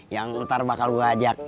yang ntar bakal gue ajak